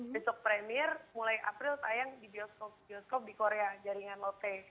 besok premier mulai april tayang di bioskop bioskop di korea jaringan lote